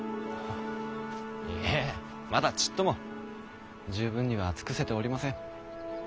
いえまだちっとも十分には尽くせておりません。